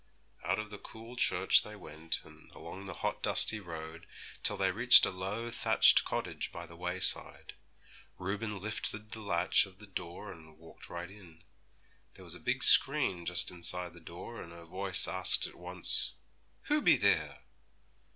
Out of the cool church they went, and along the hot, dusty road, till they reached a low thatched cottage by the wayside. Reuben lifted the latch of the door, and walked right in. There was a big screen just inside the door, and a voice asked at once, 'Who be there?'